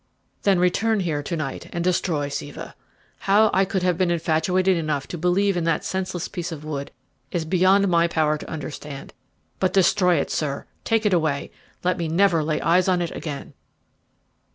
"Then return here to night and destroy Siva. How I could have been infatuated enough to believe in that senseless piece of wood is beyond my power to understand. But destroy it, sir; take it away; let me never lay eyes on it again."